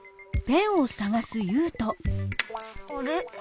あれ？